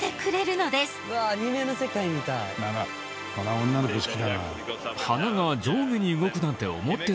これは女の子好きだな。